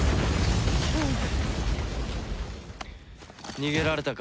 逃げられたか。